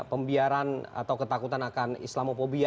pembiaran atau ketakutan akan islamophobia